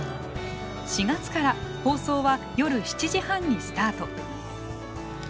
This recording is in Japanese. ４月から放送は夜７時半にスタート。